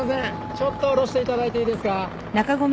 ちょっと下ろしていただいていいですか？